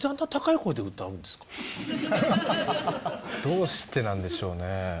どうしてなんでしょうねぇ。